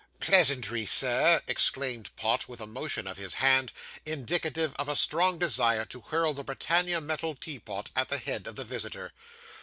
'Pleasantry, sir!' exclaimed Pott, with a motion of the hand, indicative of a strong desire to hurl the Britannia metal teapot at the head of the visitor.